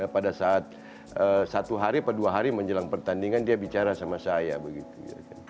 pada saat satu hari atau dua hari menjelang pertandingan dia bicara sama saya begitu